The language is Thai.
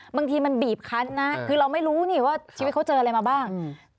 บางทีมันบีบคันนะคือเราไม่รู้นี่ว่าชีวิตเขาเจออะไรมาบ้าง